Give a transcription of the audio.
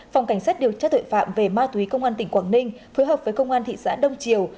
phòng cảnh sát chủ tịch hà nội đã điều tra tuệ phạm về ma túy công an tỉnh quảng ninh phối hợp với công an thị xã đông triều